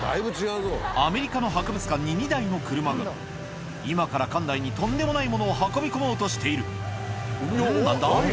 アメリカの博物館に２台の車が今から館内にとんでもないものを運び込もうとしているんっ何だ？